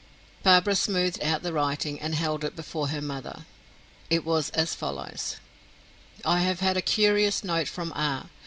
Barbara smoothed out the writing, and held it before her mother. It was as follows: "I have had a curious note from R.